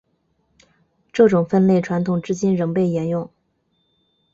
这种分类传统至今仍被沿用。